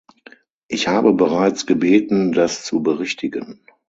Ich habe bereits gebeten, das zu berichtigen.